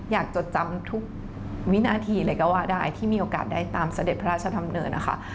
อยากจดจำทุกวินาทีหรือกว่าได้ที่มีโอกาสได้ตามเสด็จพระราชธรรมเนื้อนะคะ